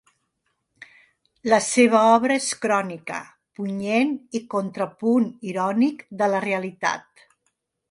La seva obra és crònica punyent i contrapunt irònic de la realitat.